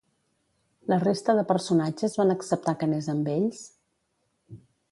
La resta de personatges van acceptar que anés amb ells?